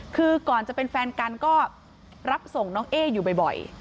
คือก่อนจะเป็นแฟนกันก็รับส่งน้องเอ๊อยู่บ่อย